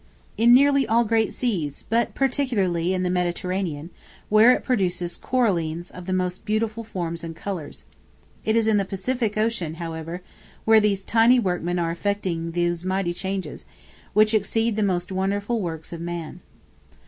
In nearly all great seas; but particularly in the Mediterranean, where it produces Corallines of the most beautiful forms and colors: it is in the Pacific Ocean, however, where these tiny workmen are effecting those mighty changes, which exceed the most wonderful works of man.